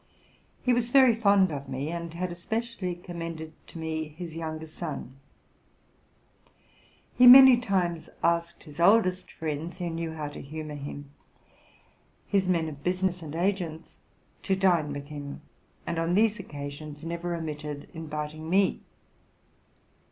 He was very fond of me, and had especially commended to me his younger son. He many times asked his oldest friends, who knew how to humor him, his men of business and agents, to dine with him, and on these occasions never omitted inviting me.